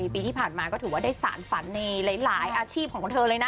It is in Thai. ปีที่ผ่านมาก็ถือว่าได้สารฝันในหลายอาชีพของเธอเลยนะ